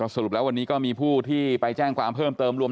สรุปแล้ววันนี้ก็มีผู้ที่ไปแจ้งความเพิ่มเติมรวม